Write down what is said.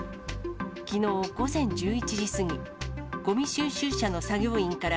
きのう午前１１時過ぎ、ごみ収集車の作業員から、